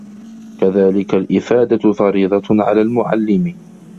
كَذَلِكَ الْإِفَادَةُ فَرِيضَةٌ عَلَى الْمُعَلِّمِ